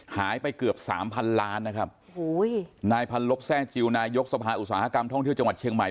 หายไปเกือบสามพันล้านนะครับโอ้โหนายพันลบแทร่จิลนายกสภาอุตสาหกรรมท่องเที่ยวจังหวัดเชียงใหม่